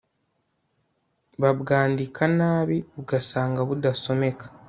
babwandika nabi ugasanga budasomeka